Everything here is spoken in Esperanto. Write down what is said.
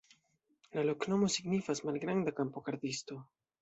La loknomo signifas: malgranda-kampogardisto.